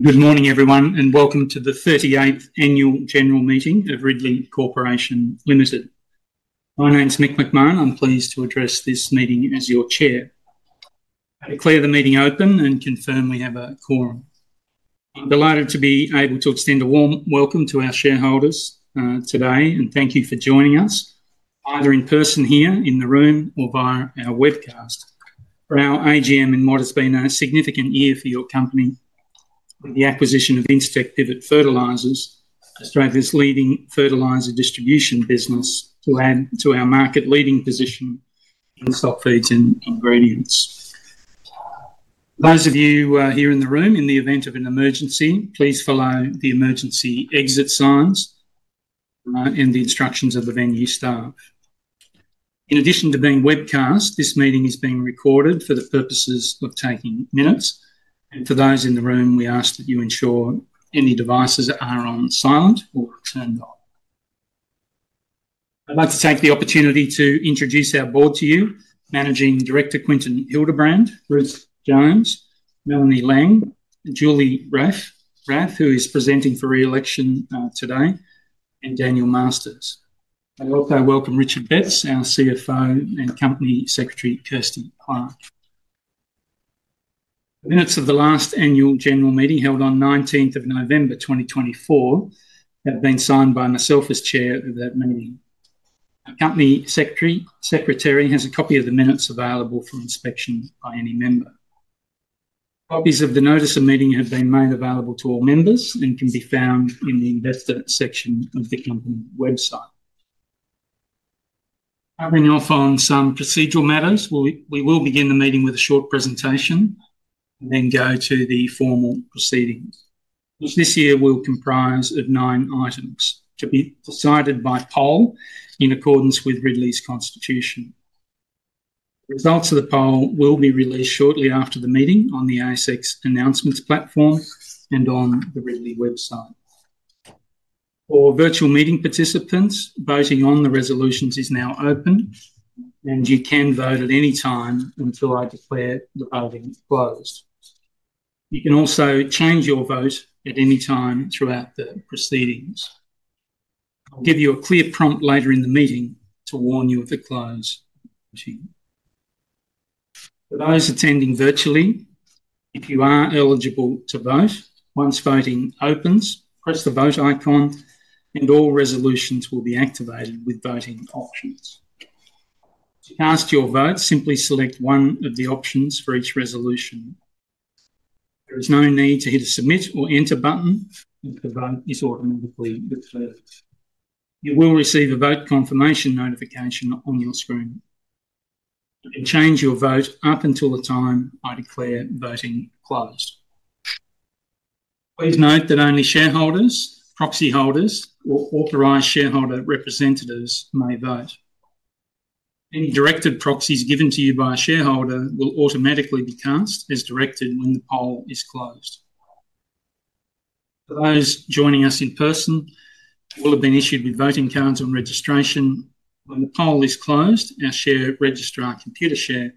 Good morning, everyone, and welcome to the 38th Annual General Meeting of Ridley Corporation Limited. My name's Mick McMahon. I'm pleased to address this meeting as your Chair. I declare the meeting open and confirm we have a quorum. I'm delighted to be able to extend a warm welcome to our shareholders today, and thank you for joining us, either in person here in the room or via our webcast. For our AGM, it has been a significant year for your company with the acquisition of Incitec Pivot Fertilisers, Australia's leading fertiliser distribution business, to add to our market leading position in stock feeds and ingredients. For those of you here in the room, in the event of an emergency, please follow the emergency exit signs and the instructions of the venue staff. In addition to being webcast, this meeting is being recorded for the purposes of taking minutes, and for those in the room, we ask that you ensure any devices are on silent or turned off. I'd like to take the opportunity to introduce our board to you: Managing Director Quinton Hildebrand, Ruth Jones, Melanie Lang, Julie Raffe, who is presenting for re-election today, and Daniel Masters. I'd also welcome Richard Betts, our CFO, and Company Secretary Kirsty Clarke. The minutes of the last Annual General Meeting held on 19th of November 2024 have been signed by myself as Chair of that meeting. Our Company Secretary has a copy of the minutes available for inspection by any member. Copies of the notice of meeting have been made available to all members and can be found in the Investor section of the company website. Moving off on some procedural matters, we will begin the meeting with a short presentation and then go to the formal proceedings. This year will comprise of nine items to be decided by poll in accordance with Ridley's Constitution. The results of the poll will be released shortly after the meeting on the ASX Announcements platform and on the Ridley website. For virtual meeting participants, voting on the resolutions is now open, and you can vote at any time until I declare the voting closed. You can also change your vote at any time throughout the proceedings. I'll give you a clear prompt later in the meeting to warn you of the close. For those attending virtually, if you are eligible to vote, once voting opens, press the vote icon, and all resolutions will be activated with voting options. To cast your vote, simply select one of the options for each resolution. There is no need to hit a submit or enter button, and the vote is automatically declared. You will receive a vote confirmation notification on your screen. You can change your vote up until the time I declare voting closed. Please note that only shareholders, proxy holders, or authorized shareholder representatives may vote. Any directed proxies given to you by a shareholder will automatically be cast as directed when the poll is closed. For those joining us in person, you will have been issued with voting cards on registration. When the poll is closed, our share registrar, Computershare,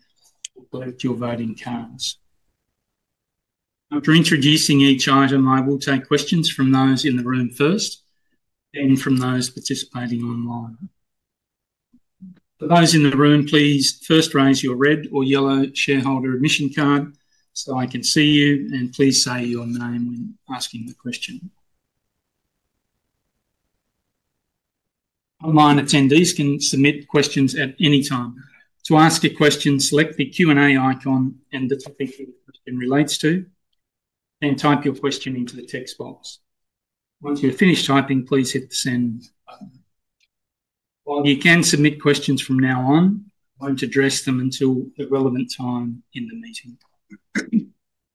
will collect your voting cards. After introducing each item, I will take questions from those in the room first, then from those participating online. For those in the room, please first raise your red or yellow shareholder admission card so I can see you, and please say your name when asking the question. Online attendees can submit questions at any time. To ask a question, select the Q&A icon and the topic the question relates to, then type your question into the text box. Once you're finished typing, please hit the send button. While you can submit questions from now on, I won't address them until the relevant time in the meeting.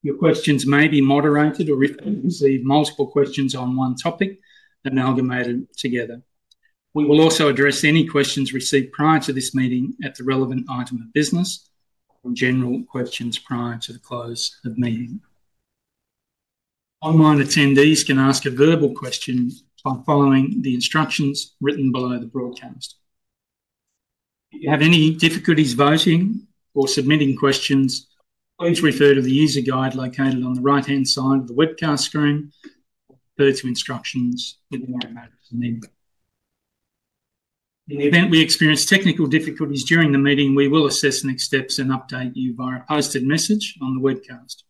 Your questions may be moderated or if we receive multiple questions on one topic, they're now gathered together. We will also address any questions received prior to this meeting at the relevant item of business or general questions prior to the close of the meeting. Online attendees can ask a verbal question by following the instructions written below the broadcast. If you have any difficulties voting or submitting questions, please refer to the user guide located on the right-hand side of the webcast screen or refer to instructions in the item of the meeting. In the event we experience technical difficulties during the meeting, we will assess next steps and update you via a posted message on the webcast.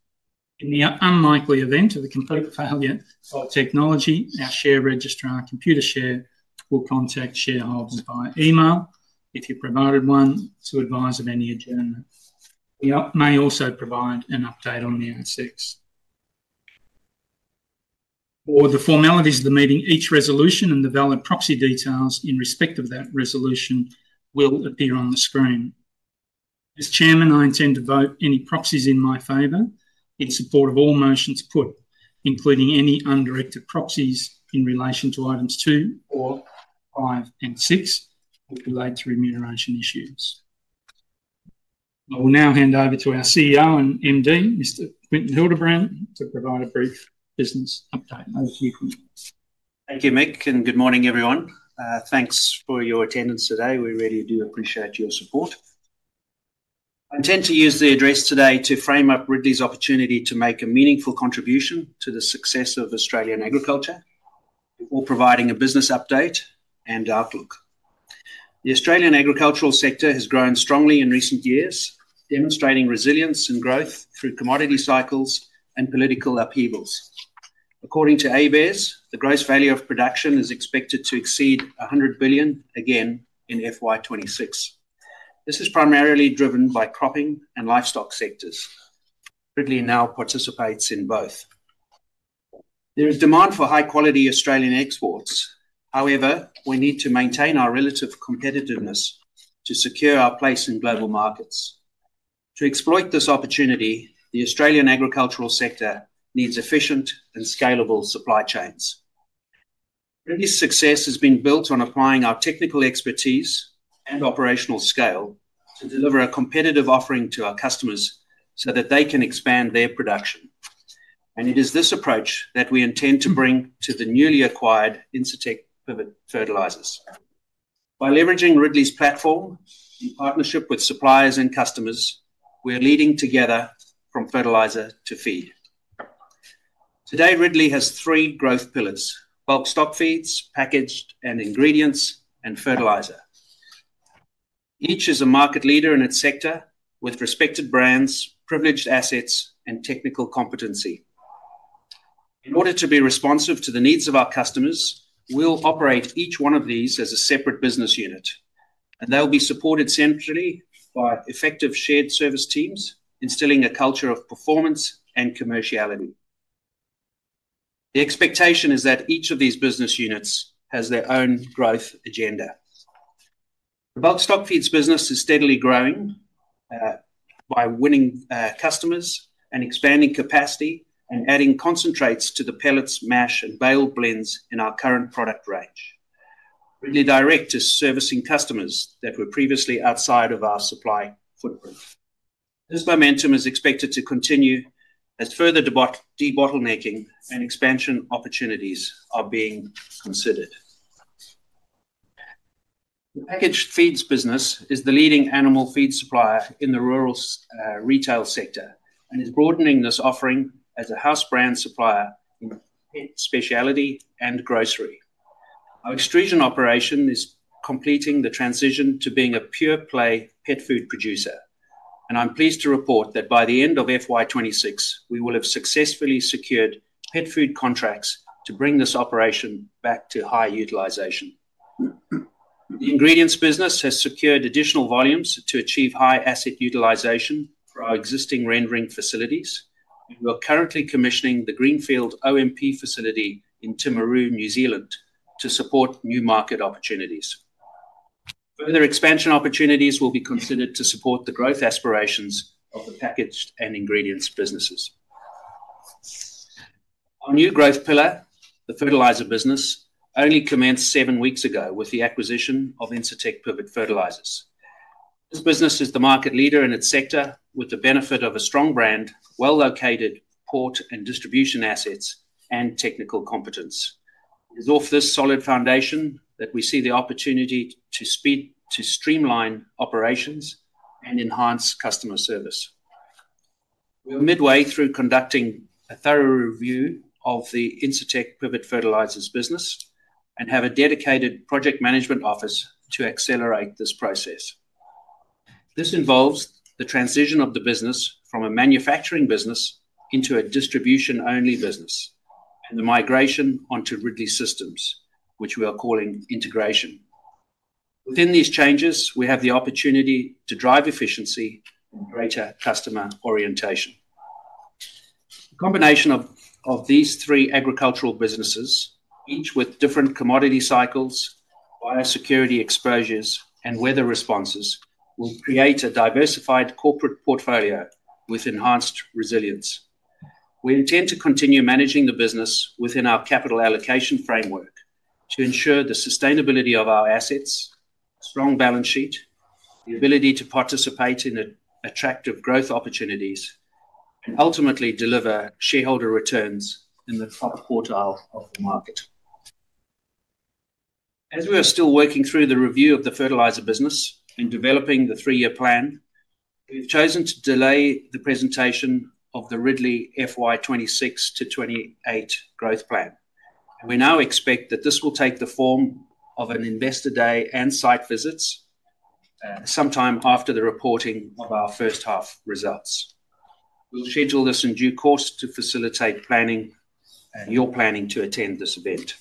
In the unlikely event of a complete failure of technology, our share registrar, Computershare, will contact shareholders via email if you've provided one to advise of any adjournment. We may also provide an update on the ASX. For the formalities of the meeting, each resolution and the valid proxy details in respect of that resolution will appear on the screen. As Chairman, I intend to vote any proxies in my favor in support of all motions put, including any undirected proxies in relation to items two or five and six with related remuneration issues. I will now hand over to our CEO and MD, Mr. Quinton Hildebrand, to provide a brief business update. Thank you, Quinton. Thank you, Mick, and good morning, everyone. Thanks for your attendance today. We really do appreciate your support. I intend to use the address today to frame up Ridley's opportunity to make a meaningful contribution to the success of Australian agriculture while providing a business update and outlook. The Australian agricultural sector has grown strongly in recent years, demonstrating resilience and growth through commodity cycles and political upheavals. According to ABARES, the gross value of production is expected to exceed $100 billion again in FY 2026. This is primarily driven by cropping and livestock sectors. Ridley now participates in both. There is demand for high-quality Australian exports. However, we need to maintain our relative competitiveness to secure our place in global markets. To exploit this opportunity, the Australian agricultural sector needs efficient and scalable supply chains. Ridley's success has been built on applying our technical expertise and operational scale to deliver a competitive offering to our customers so that they can expand their production. It is this approach that we intend to bring to the newly acquired Incitec Pivot Fertilisers. By leveraging Ridley's platform in partnership with suppliers and customers, we're leading together from fertiliser to feed. Today, Ridley has three growth pillars: Bulk Stockfeeds, Packaged Feeds and Ingredients, and fertiliser. Each is a market leader in its sector with respected brands, privileged assets, and technical competency. In order to be responsive to the needs of our customers, we'll operate each one of these as a separate business unit, and they'll be supported centrally by effective shared service teams, instilling a culture of performance and commerciality. The expectation is that each of these business units has their own growth agenda. The Bulk Stockfeeds business is steadily growing by winning customers and expanding capacity and adding concentrates to the pellets, mash, and bale blends in our current product range. Ridley Direct is servicing customers that were previously outside of our supply footprint. This momentum is expected to continue as further debottlenecking and expansion opportunities are being considered. The Packaged Feeds and Ingredients business is the leading animal feed supplier in the rural retail sector and is broadening this offering as a house brand supplier in pet speciality and grocery. Our extrusion operation is completing the transition to being a pure-play pet food producer, and I'm pleased to report that by the end of FY 2026, we will have successfully secured pet food contracts to bring this operation back to high utilisation. The Ingredients business has secured additional volumes to achieve high asset utilisation for our existing rendering facilities. We are currently commissioning the Greenfield OMP facility in Timaru, New Zealand, to support new market opportunities. Further expansion opportunities will be considered to support the growth aspirations of the packaged and ingredients businesses. Our new growth pillar, the fertiliser business, only commenced seven weeks ago with the acquisition of Incitec Pivot Fertilisers. This business is the market leader in its sector with the benefit of a strong brand, well-located port and distribution assets, and technical competence. It is off this solid foundation that we see the opportunity to streamline operations and enhance customer service. We're midway through conducting a thorough review of the Incitec Pivot Fertilisers business and have a dedicated project management office to accelerate this process. This involves the transition of the business from a manufacturing business into a distribution-only business and the migration onto Ridley Systems, which we are calling integration. Within these changes, we have the opportunity to drive efficiency and greater customer orientation. The combination of these three agricultural businesses, each with different commodity cycles, biosecurity exposures, and weather responses, will create a diversified corporate portfolio with enhanced resilience. We intend to continue managing the business within our capital allocation framework to ensure the sustainability of our assets, strong balance sheet, the ability to participate in attractive growth opportunities, and ultimately deliver shareholder returns in the top quarter of the market. As we are still working through the review of the fertiliser business and developing the three-year plan, we've chosen to delay the presentation of the Ridley FY 2026 to FY 2028 growth plan. We now expect that this will take the form of an investor day and site visits sometime after the reporting of our first half results. We'll schedule this in due course to facilitate your planning to attend this event.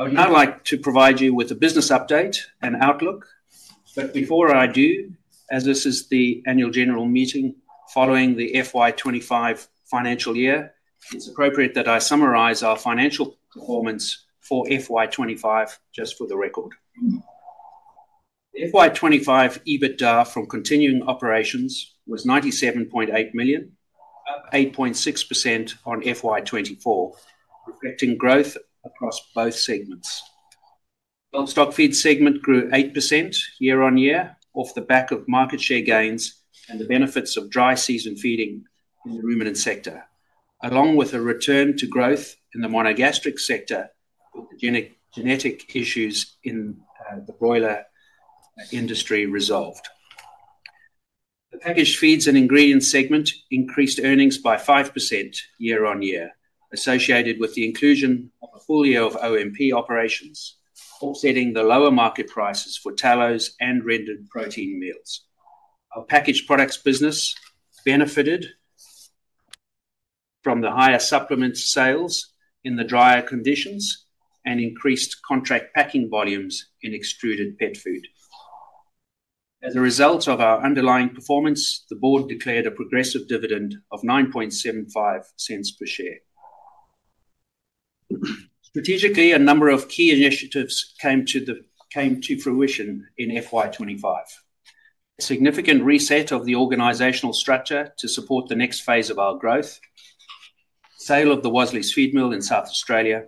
I would now like to provide you with a business update and outlook, but before I do, as this is the annual general meeting following the FY 2025 financial year, it's appropriate that I summarise our financial performance for FY 2025, just for the record. The FY25 EBITDA from continuing operations was $97.8 million, up 8.6% on FY 2024, reflecting growth across both segments. The Bulk Stockfeeds segment grew 8% year on year off the back of market share gains and the benefits of dry season feeding in the ruminant sector, along with a return to growth in the monogastric sector with the genetic issues in the broiler industry resolved. The Packaged Feeds and Ingredients segment increased earnings by 5% year on year, associated with the inclusion of a full year of OMP operations, offsetting the lower market prices for tallows and rendered protein meals. Our packaged products business benefited from the higher supplement sales in the drier conditions and increased contract packing volumes in extruded pet food. As a result of our underlying performance, the board declared a progressive dividend of $0.0975 per share. Strategically, a number of key initiatives came to fruition in FY 2525: a significant reset of the organisational structure to support the next phase of our growth, the sale of the Worsley's Feed Mill in South Australia,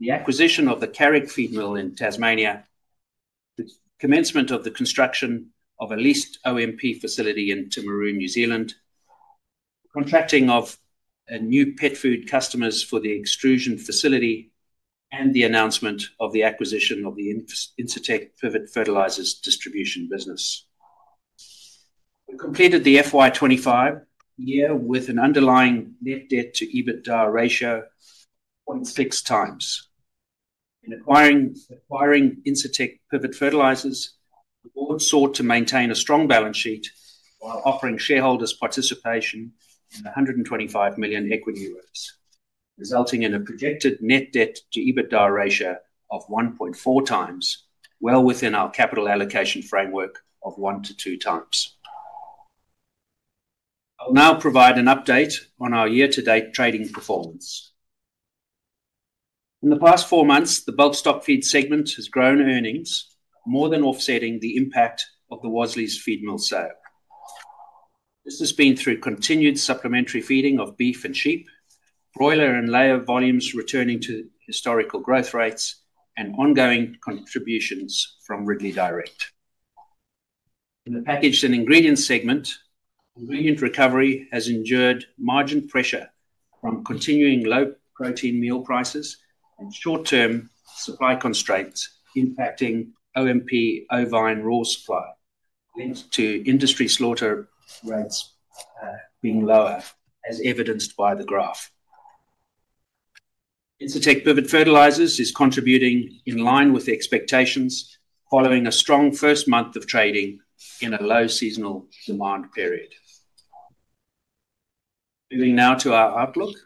the acquisition of the Carrick Feed Mill in Tasmania, the commencement of the construction of a leased OMP facility in Timaru, New Zealand, the contracting of new pet food customers for the extrusion facility, and the announcement of the acquisition of the Incitec Pivot Fertilisers distribution business. We completed the FY 2025 year with an underlying net debt to EBITDA ratio of 0.6 times. In acquiring Incitec Pivot Fertilisers, the board sought to maintain a strong balance sheet while offering shareholders participation in $125 million equity rights, resulting in a projected net debt to EBITDA ratio of 1.4 times, well within our capital allocation framework of one to two times. I'll now provide an update on our year-to-date trading performance. In the past four months, the Bulk Stockfeeds segment has grown earnings, more than offsetting the impact of the Worsley's Feed Mill sale. This has been through continued supplementary feeding of beef and sheep, broiler and layer volumes returning to historical growth rates, and ongoing contributions from Ridley Direct. In the Packaged Feeds and Ingredients segment, ingredient recovery has endured margin pressure from continuing low protein meal prices and short-term supply constraints impacting OMP ovine raw supply, linked to industry slaughter rates being lower, as evidenced by the graph. Incitec Pivot Fertilisers is contributing in line with expectations, following a strong first month of trading in a low seasonal demand period. Moving now to our outlook.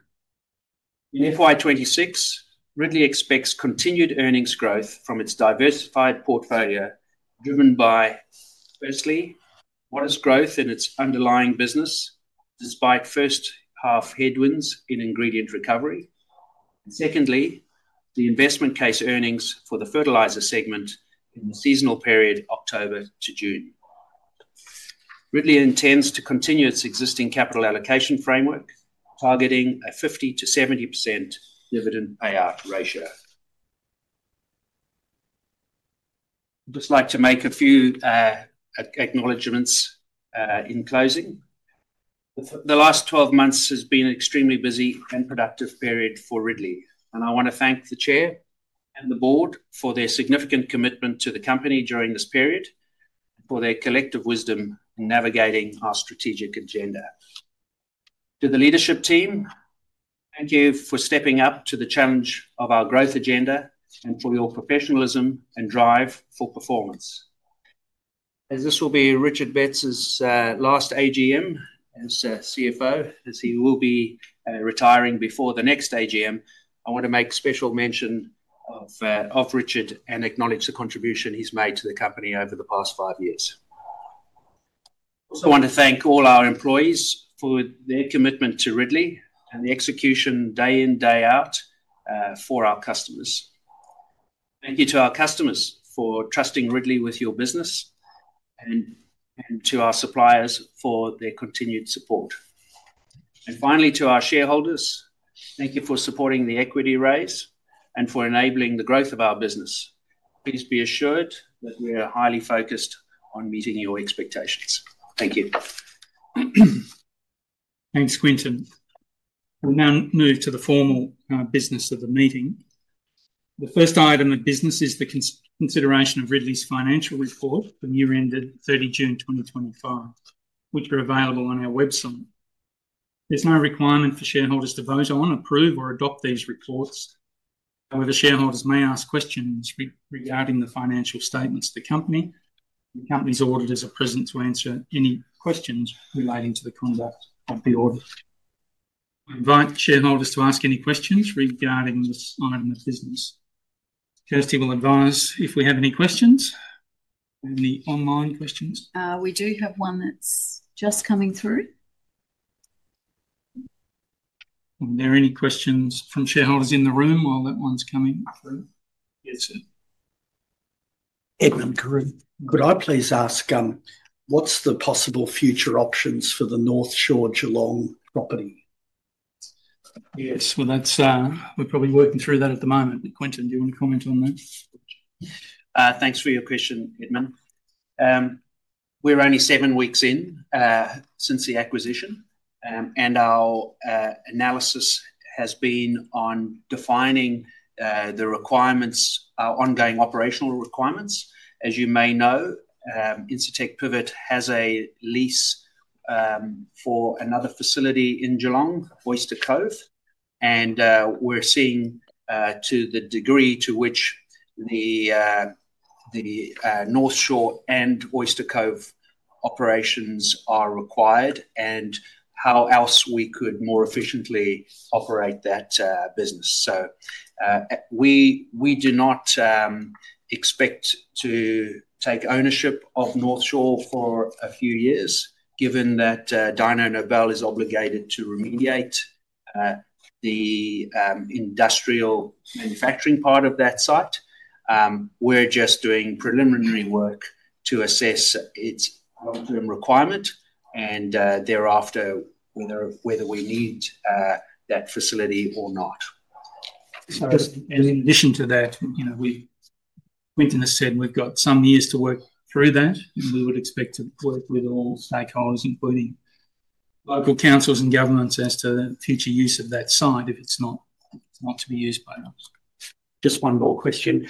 In FY 2026, Ridley expects continued earnings growth from its diversified portfolio driven by, firstly, modest growth in its underlying business despite first-half headwinds in ingredient recovery, and secondly, the investment case earnings for the fertiliser segment in the seasonal period October to June. Ridley intends to continue its existing capital allocation framework, targeting a 50% to 70% dividend payout ratio. I'd just like to make a few acknowledgements in closing. The last 12 months has been an extremely busy and productive period for Ridley, and I want to thank the Chair and the Board for their significant commitment to the company during this period and for their collective wisdom in navigating our strategic agenda. To the leadership team, thank you for stepping up to the challenge of our growth agenda and for your professionalism and drive for performance. As this will be Richard Betts' last AGM as CFO, as he will be retiring before the next AGM, I want to make special mention of Richard and acknowledge the contribution he's made to the company over the past five years. I also want to thank all our employees for their commitment to Ridley and the execution day in, day out for our customers. Thank you to our customers for trusting Ridley with your business and to our suppliers for their continued support. Finally, to our shareholders, thank you for supporting the equity raise and for enabling the growth of our business. Please be assured that we are highly focused on meeting your expectations. Thank you. Thanks, Quinton. We'll now move to the formal business of the meeting. The first item of business is the consideration of Ridley's financial report from year-ended, 30th June, 2025, which are available on our website. There's no requirement for shareholders to vote on, approve, or adopt these reports. However, shareholders may ask questions regarding the financial statements of the company. The company's auditors are present to answer any questions relating to the conduct of the audit. We invite shareholders to ask any questions regarding this item of business. Kirsty will advise if we have any questions. Any online questions? We do have one that's just coming through. Are there any questions from shareholders in the room while that one's coming through? Yes, sir. Edmund Carruth, could I please ask, what's the possible future options for the North Shore Geelong property? Yes. We're probably working through that at the moment. Quinton, do you want to comment on that? Thanks for your question, Edmund. We're only seven weeks in since the acquisition, and our analysis has been on defining the ongoing operational requirements. As you may know, Incitec Pivot has a lease for another facility in Geelong, Oyster Cove, and we're seeing to the degree to which the North Shore and Oyster Cove operations are required and how else we could more efficiently operate that business. We do not expect to take ownership of North Shore for a few years, given that Dyno Nobel is obligated to remediate the industrial manufacturing part of that site. We're just doing preliminary work to assess its long-term requirement and thereafter whether we need that facility or not. In addition to that, Quinton has said we've got some years to work through that, and we would expect to work with all stakeholders, including local councils and governments, as to the future use of that site if it's not to be used by us. Just one more question.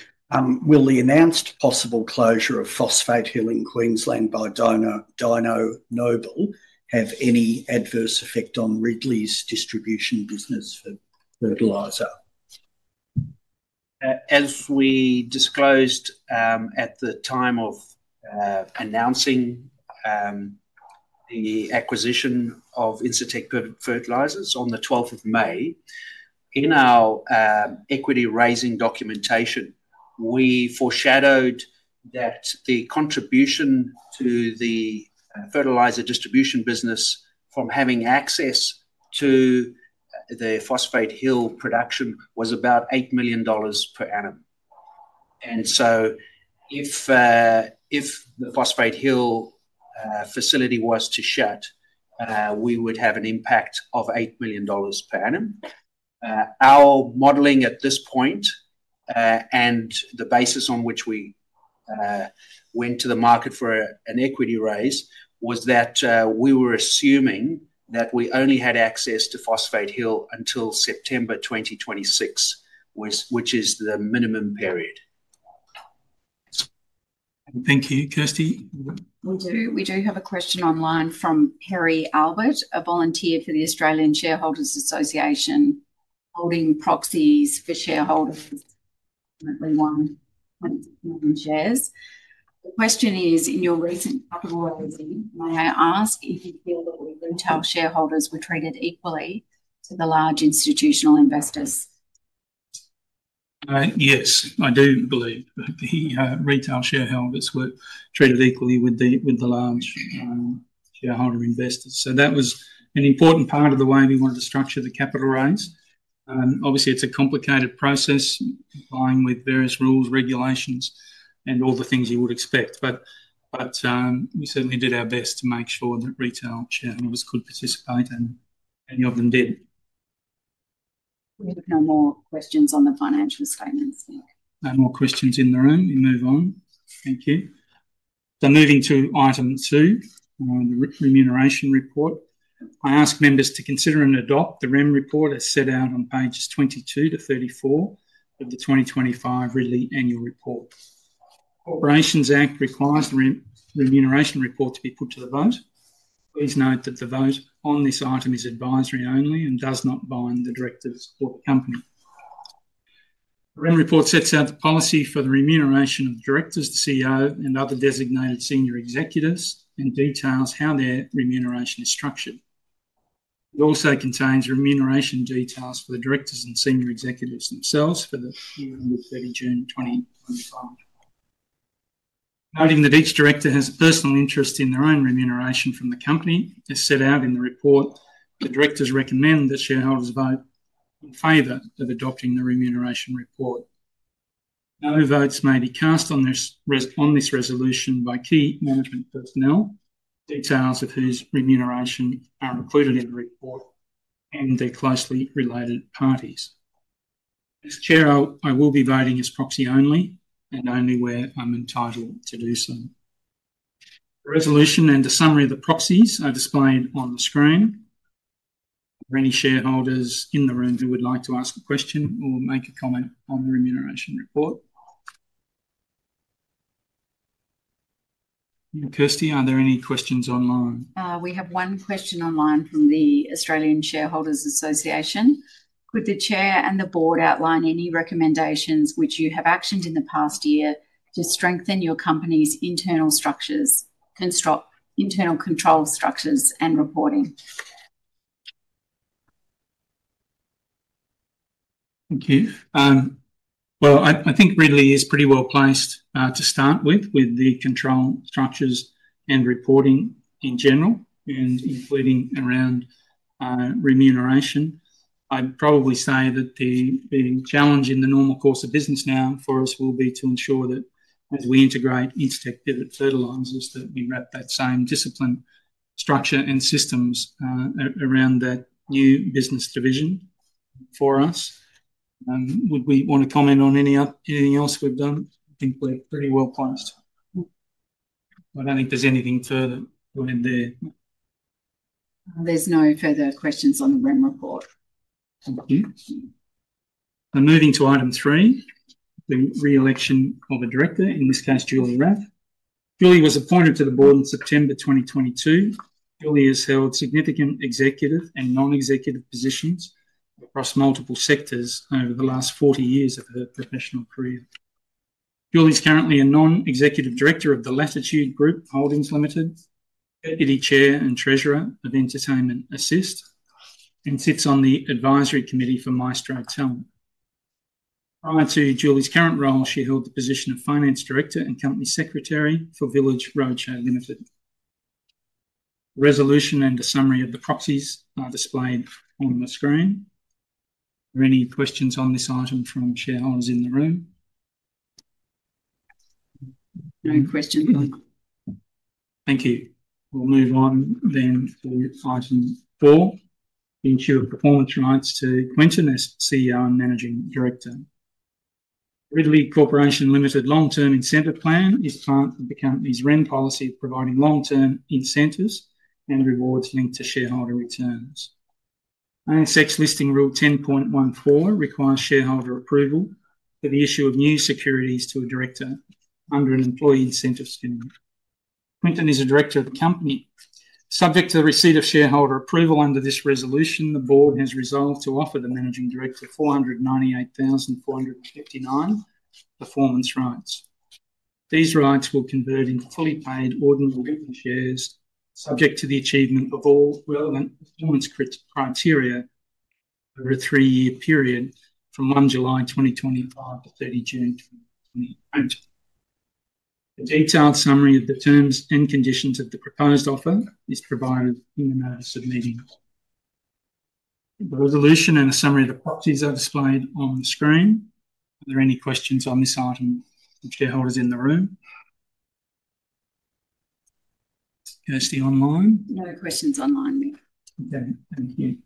Will the announced possible closure of Phosphate Hill in Queensland by Dyno Nobel have any adverse effect on Ridley's distribution business for fertiliser? As we disclosed at the time of announcing the acquisition of Incitec Pivot Fertilisers on the 12th of May, in our equity raising documentation, we foreshadowed that the contribution to the fertiliser distribution business from having access to the Phosphate Hill production was about $8 million per annum. If the Phosphate Hill facility was to shut, we would have an impact of $8 million per annum. Our modelling at this point and the basis on which we went to the market for an equity raise was that we were assuming that we only had access to Phosphate Hill until September 2026, which is the minimum period. Thank you. Kirsty? We do have a question online from Harry Albert, a volunteer for the Australian Shareholders Association, holding proxies for shareholders, currently one million shares. The question is, in your recent capital raising, may I ask if you feel that retail shareholders were treated equally to the large institutional investors? Yes, I do believe that retail shareholders were treated equally with the large shareholder investors. That was an important part of the way we wanted to structure the capital raise. Obviously, it's a complicated process, complying with various rules, regulations, and all the things you would expect, but we certainly did our best to make sure that retail shareholders could participate, and many of them did. We have no more questions on the financial statements. No more questions in the room. We move on. Thank you. Moving to item two, the remuneration report. I ask members to consider and adopt the REM report as set out on pages 22 to 34 of the 2025 Ridley Annual Report. The Corporations Act requires the remuneration report to be put to the vote. Please note that the vote on this item is advisory only and does not bind the directors or the company. The REM report sets out the policy for the remuneration of the directors, the CEO, and other designated senior executives and details how their remuneration is structured. It also contains remuneration details for the directors and senior executives themselves for the year ended 30th June, 2025. Noting that each director has a personal interest in their own remuneration from the company, as set out in the report, the directors recommend that shareholders vote in favor of adopting the remuneration report. No votes may be cast on this resolution by key management personnel, details of whose remuneration are included in the report, and their closely related parties. As Chair, I will be voting as proxy only and only where I'm entitled to do so. The resolution and a summary of the proxies are displayed on the screen. Are there any shareholders in the room who would like to ask a question or make a comment on the remuneration report? Kirsty, are there any questions online? We have one question online from the Australian Shareholders Association. Could the Chair and the Board outline any recommendations which you have actioned in the past year to strengthen your company's internal structures, internal control structures, and reporting? Thank you. I think Ridley is pretty well placed to start with, with the control structures and reporting in general, including around remuneration. I'd probably say that the challenge in the normal course of business now for us will be to ensure that as we integrate Incitec Pivot Fertilisers, that we wrap that same discipline, structure, and systems around that new business division for us. Would we want to comment on anything else we've done? I think we're pretty well placed. I don't think there's anything further going there. There's no further questions on the REM report. Thank you. Moving to item three, the re-election of a director, in this case, Julie Raffe. Julie was appointed to the board in September 2022. Julie has held significant executive and non-executive positions across multiple sectors over the last 40 years of her professional career. Julie is currently a non-executive director of Latitude Group Holdings Limited, deputy chair and treasurer of Entertainment Assist, and sits on the advisory committee for Maestro Tell. Prior to Julie's current role, she held the position of finance director and company secretary for Village Roadshow Limited. The resolution and a summary of the proxies are displayed on the screen. Are there any questions on this item from shareholders in the room? No questions. Thank you. We'll move on then to item four, the issue of performance rights to Quinton as CEO and managing director. Ridley Corporation Limited long-term incentive plan is part of the company's REM policy of providing long-term incentives and rewards linked to shareholder returns. ASX Listing Rule 10.14 requires shareholder approval for the issue of new securities to a director under an employee incentive scheme. Quinton is a director of the company. Subject to the receipt of shareholder approval under this resolution, the board has resolved to offer the Managing Director 498,459 performance rights. These rights will convert into fully paid ordinary shares, subject to the achievement of all relevant performance criteria over a three-year period from 1 July, 2025 to 30th June, 2028. A detailed summary of the terms and conditions of the proposed offer is provided in the notice of meeting. The resolution and a summary of the proxies are displayed on the screen. Are there any questions on this item from shareholders in the room? Kirsty online? No questions online there. Okay. Thank you.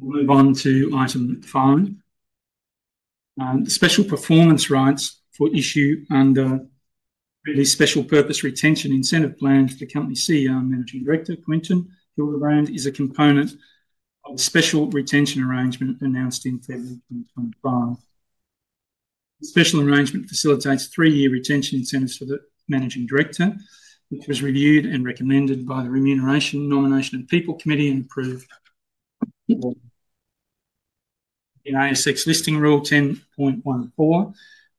We'll move on to item five. The special performance rights for issue under Ridley Special Purpose Retention Incentive Plan for the company's CEO and Managing Director, Quinton Hildebrand, is a component of the special retention arrangement announced in February 2025. The special arrangement facilitates three-year retention incentives for the Managing Director, which was reviewed and recommended by the Remuneration, Nomination, and People Committee and approved. The ASX Listing Rule 10.14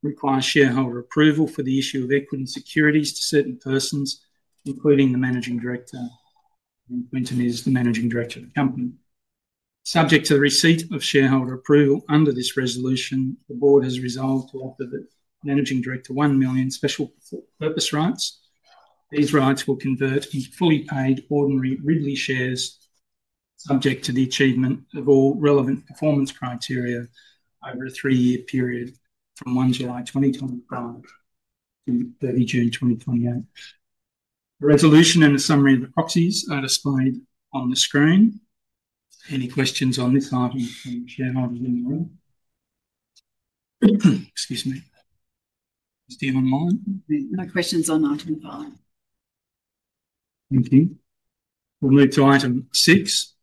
requires shareholder approval for the issue of equity and securities to certain persons, including the Managing Director, and Quinton is the Managing Director of the company. Subject to the receipt of shareholder approval under this resolution, the board has resolved to offer the Managing Director one million special purpose rights. These rights will convert into fully paid ordinary Ridley shares, subject to the achievement of all relevant performance criteria over a three-year period from 1 July, 2025 to 30th June, 2028. The resolution and a summary of the proxies are displayed on the screen. Any questions on this item from shareholders in the room? Excuse me. Is there anything online? No questions on item five. Thank you. We'll move to item six.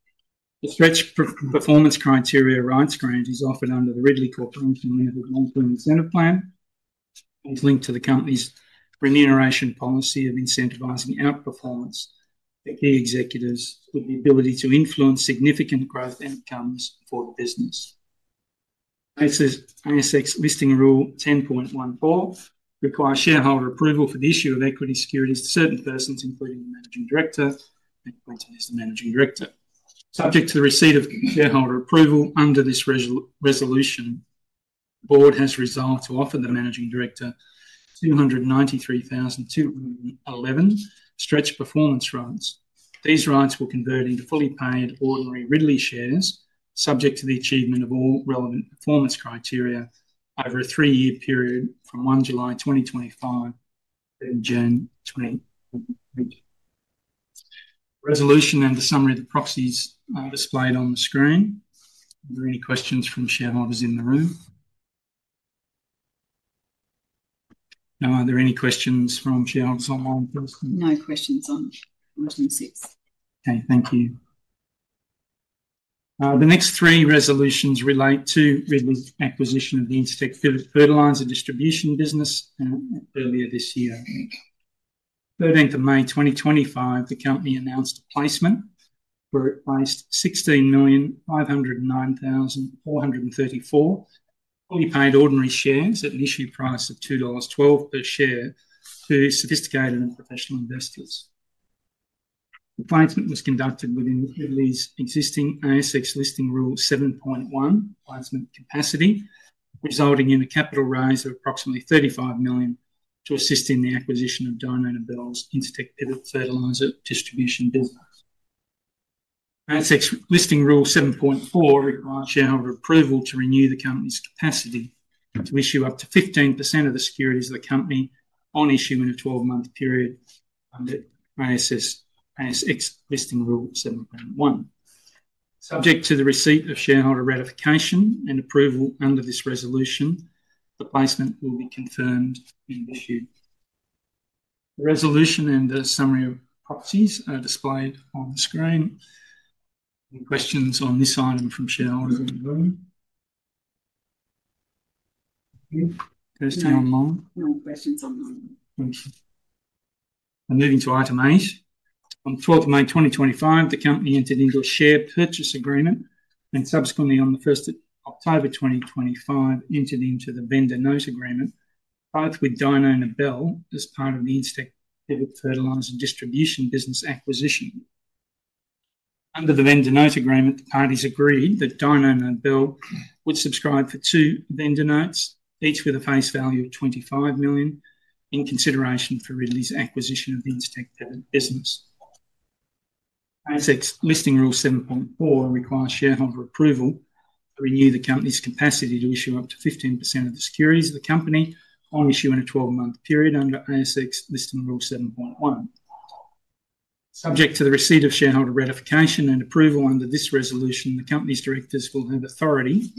The stretch performance criteria rights grant is offered under the Ridley Corporation Limited long-term incentive plan. It's linked to the company's remuneration policy of incentivising outperformance for key executives with the ability to influence significant growth outcomes for the business. ASX Listing Rule 10.14 requires shareholder approval for the issue of equity securities to certain persons, including the managing director, and Quinton is the managing director. Subject to the receipt of shareholder approval under this resolution, the board has resolved to offer the managing director 293,211 stretch performance rights. These rights will convert into fully paid ordinary Ridley shares, subject to the achievement of all relevant performance criteria over a three-year period from 1 July, 2025 to 30th June, 2028. The resolution and a summary of the proxies are displayed on the screen. Are there any questions from shareholders in the room? No? Are there any questions from shareholders online? No questions on item six. Okay. Thank you. The next three resolutions relate to Ridley's acquisition of the Incitec Pivot Fertilisers distribution business earlier this year. On 13th May, 2025, the company announced a placement where it placed 16,509,434 fully paid ordinary shares at an issue price of $2.12 per share to sophisticated and professional investors. The placement was conducted within Ridley's existing ASX Listing Rule 7.1 placement capacity, resulting in a capital raise of approximately $35 million to assist in the acquisition of Dyno Nobel's Incitec Pivot Fertilisers distribution business. ASX Listing Rule 7.4 requires shareholder approval to renew the company's capacity to issue up to 15% of the securities of the company on issue in a 12-month period under ASX Listing Rule 7.1. Subject to the receipt of shareholder ratification and approval under this resolution, the placement will be confirmed and issued. The resolution and a summary of proxies are displayed on the screen. Any questions on this item from shareholders in the room? Thank you. Kirsty online? No questions online. Thank you. Moving to item eight. On 12th May, 2025, the company entered into a share purchase agreement and subsequently, on 1st October, 2025, entered into the vendor note agreement, both with Dyno Nobel as part of the Incitec Pivot Fertilisers distribution business acquisition. Under the vendor note agreement, the parties agreed that Dyno Nobel would subscribe for two vendor notes, each with a face value of $25 million, in consideration for Ridley's acquisition of the Incitec Pivot business. ASX Listing Rule 7.4 requires shareholder approval to renew the company's capacity to issue up to 15% of the securities of the company on issue in a 12-month period under ASX Listing Rule 7.1. Subject to the receipt of shareholder ratification and approval under this resolution, the company's directors will have authority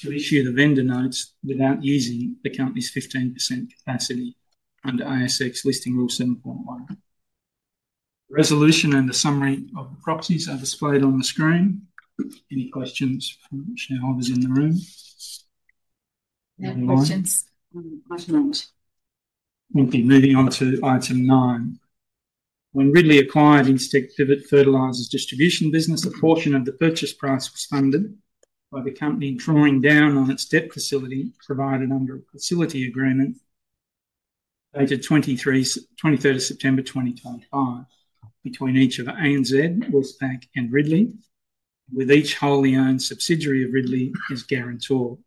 to issue the vendor notes without using the company's 15% capacity under ASX Listing Rule 7.1. The resolution and a summary of the proxies are displayed on the screen. Any questions from shareholders in the room? No questions. Thank you. Moving on to item nine. When Ridley acquired Incitec Pivot Fertilisers distribution business, a portion of the purchase price was funded by the company drawing down on its debt facility provided under a facility agreement dated 23rd September, 2025 between each of ASX, Westpac, and Ridley, with each wholly owned subsidiary of Ridley as guarantor.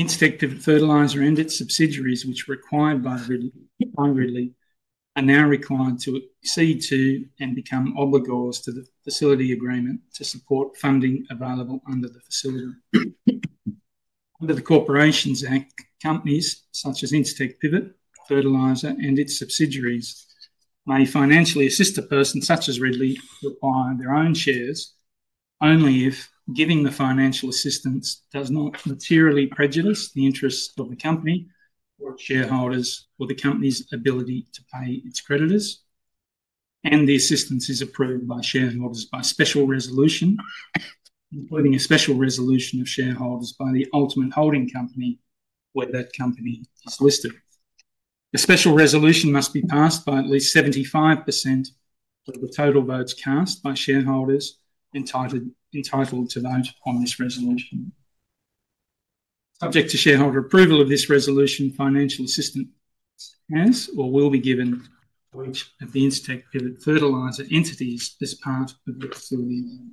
Incitec Pivot Fertilisers and its subsidiaries, which were acquired by Ridley, are now required to accede to and become obligors to the facility agreement to support funding available under the facility. Under the Corporations Act, companies such as Incitec Pivot Fertilisers and its subsidiaries may financially assist a person such as Ridley to acquire their own shares only if giving the financial assistance does not materially prejudice the interests of the company or its shareholders or the company's ability to pay its creditors, and the assistance is approved by shareholders by special resolution, including a special resolution of shareholders by the ultimate holding company where that company is listed. The special resolution must be passed by at least 75% of the total votes cast by shareholders entitled to vote on this resolution. Subject to shareholder approval of this resolution, financial assistance is or will be given to each of the Incitec Pivot Fertilisers entities as part of the facility agreement.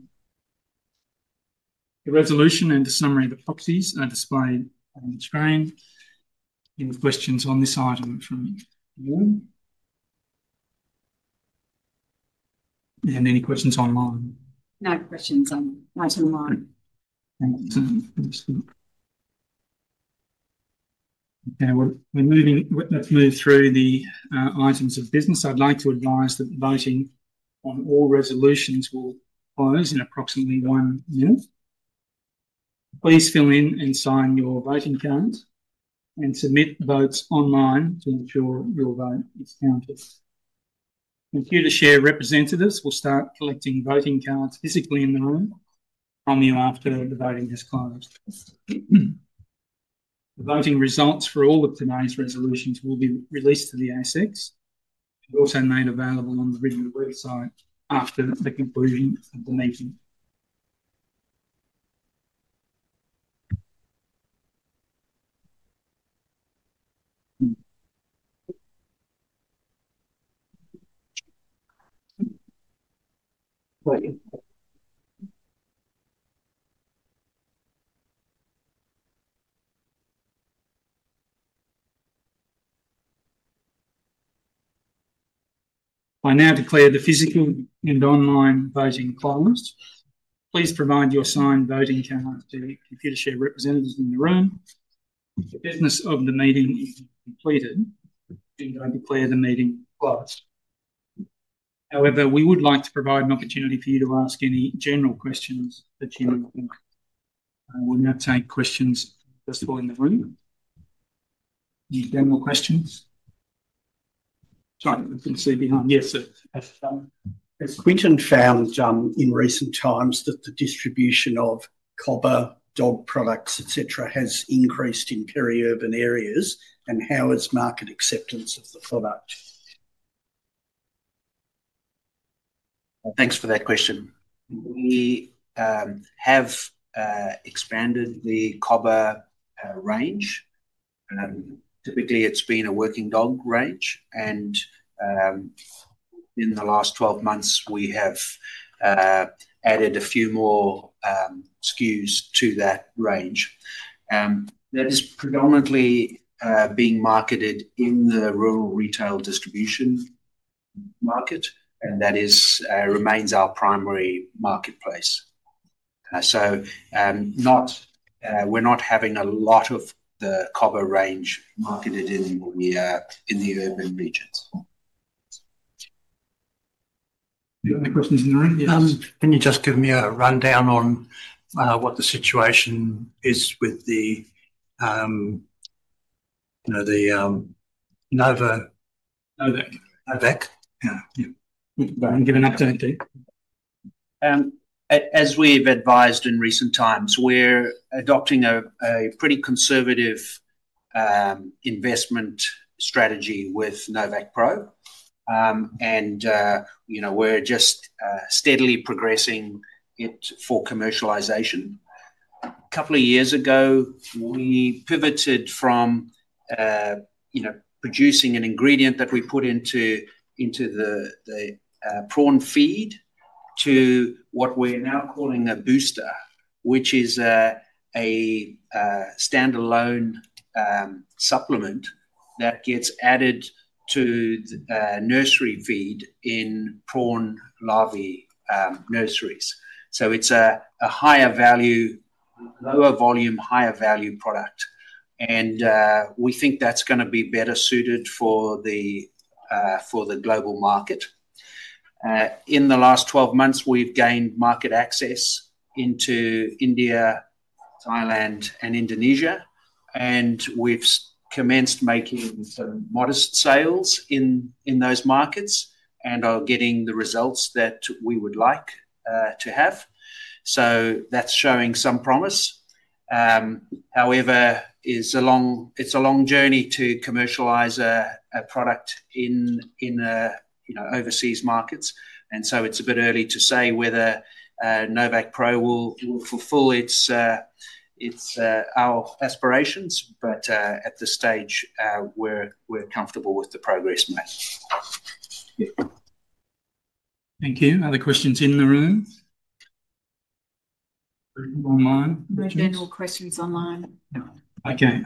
The resolution and a summary of the proxies are displayed on the screen. Any questions on this item from the board? Any questions online? No questions online. Thank you. Okay. Let's move through the items of business. I'd like to advise that the voting on all resolutions will close in approximately one minute. Please fill in and sign your voting card and submit votes online to ensure your vote is counted. Computershare representatives will start collecting voting cards physically in the room from you after the voting has closed. The voting results for all of today's resolutions will be released to the ASX. They are also made available on the Ridley website after the conclusion of the meeting. I now declare the physical and online voting closed. Please provide your signed voting cards to the Computershare representatives in the room. The business of the meeting is completed, and I declare the meeting closed. However, we would like to provide an opportunity for you to ask any general questions that you would like. We'll now take questions from the first floor in the room. Any general questions? Sorry, I didn't see behind. Yes. Has Quinton found in recent times that the distribution of copper, dog products, etc., has increased in peri-urban areas, and how is market acceptance of the product? Thanks for that question. We have expanded the copper range. Typically, it's been a working dog range, and in the last 12 months, we have added a few more SKUs to that range. That is predominantly being marketed in the rural retail distribution market, and that remains our primary marketplace. We are not having a lot of the copper range marketed in the urban regions. Any other questions in the room? Yes. Can you just give me a rundown on what the situation is with the Novac. Novac. Yeah. Yeah. Go ahead and give an update there. As we've advised in recent times, we're adopting a pretty conservative investment strategy with Novac Pro, and we're just steadily progressing it for commercialisation. A couple of years ago, we pivoted from producing an ingredient that we put into the prawn feed to what we're now calling a booster, which is a standalone supplement that gets added to nursery feed in prawn larvae nurseries. It is a higher value, lower volume, higher value product, and we think that's going to be better suited for the global market. In the last 12 months, we've gained market access into India, Thailand, and Indonesia, and we've commenced making some modest sales in those markets and are getting the results that we would like to have. That's showing some promise. However, it's a long journey to commercialize a product in overseas markets, and it's a bit early to say whether Novac Pro will fulfill our aspirations, but at this stage, we're comfortable with the progress made. Thank you. Other questions in the room? Online? No questions online. Okay.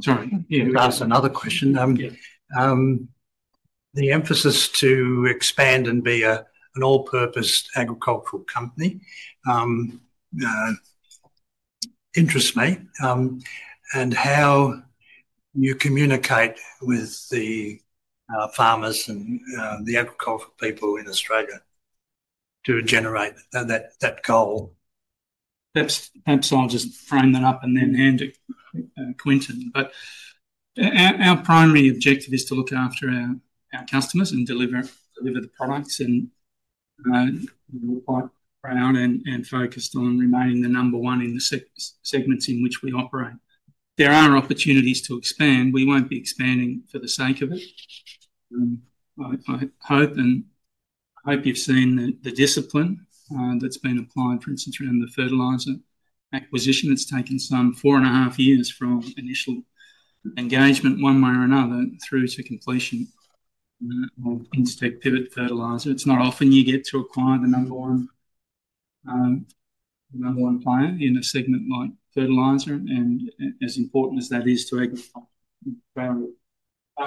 Sorry. I'll ask another question. The emphasis to expand and be an all-purpose agricultural company interests me. How do you communicate with the farmers and the agricultural people in Australia to generate that goal? Perhaps I'll just frame that up and then hand it to Quinton. Our primary objective is to look after our customers and deliver the products, and we're quite proud and focused on remaining the number one in the segments in which we operate. There are opportunities to expand. We won't be expanding for the sake of it. I hope you've seen the discipline that's been applied, for instance, around the fertiliser acquisition. It's taken some four and a half years from initial engagement one way or another through to completion of Incitec Pivot Fertilisers. It's not often you get to acquire the number one player in a segment like fertiliser, and as important as that is to agriculture,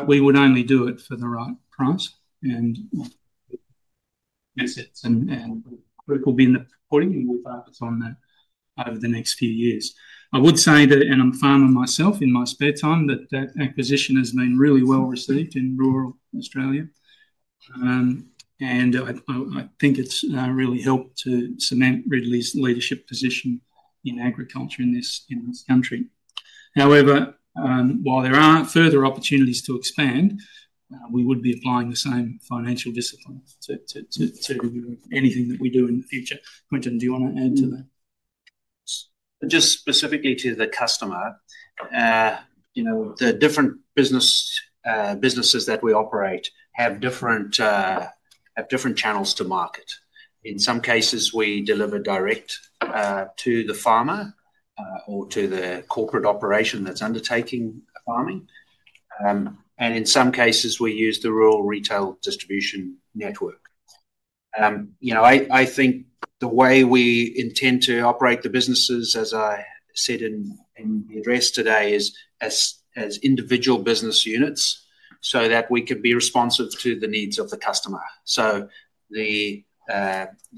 we would only do it for the right price and assets. We'll be in the reporting, and we'll focus on that over the next few years. I would say that, and I'm a farmer myself in my spare time, that that acquisition has been really well received in rural Australia, and I think it's really helped to cement Ridley's leadership position in agriculture in this country. However, while there are further opportunities to expand, we would be applying the same financial discipline to anything that we do in the future. Quinton, do you want to add to that? Just specifically to the customer, the different businesses that we operate have different channels to market. In some cases, we deliver direct to the farmer or to the corporate operation that's undertaking farming, and in some cases, we use the rural retail distribution network. I think the way we intend to operate the businesses, as I said in the address today, is as individual business units so that we can be responsive to the needs of the customer. The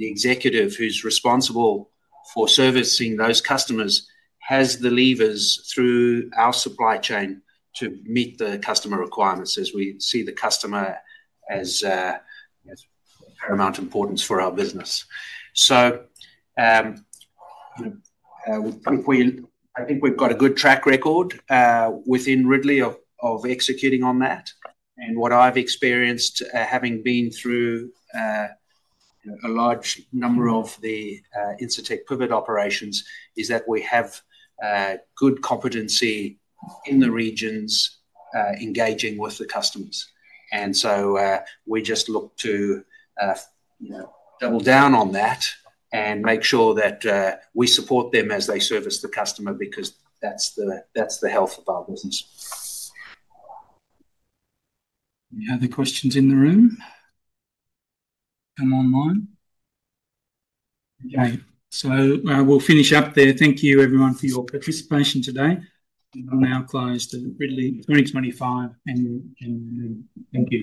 executive who's responsible for servicing those customers has the levers through our supply chain to meet the customer requirements as we see the customer as paramount importance for our business. I think we've got a good track record within Ridley of executing on that. What I've experienced, having been through a large number of the Incitec Pivot operations, is that we have good competency in the regions engaging with the customers. We just look to double down on that and make sure that we support them as they service the customer because that's the health of our business. Any other questions in the room? Come online. Okay. We'll finish up there. Thank you, everyone, for your participation today. We'll now close the Ridley 2025, and thank you.